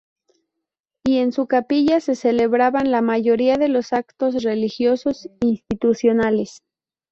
Y en su capilla se celebraban la mayoría de los actos religiosos institucionales.